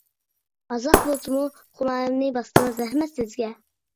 ئازراق بولسىمۇ خۇمارىمنى باستىڭىز، رەھمەت سىزگە!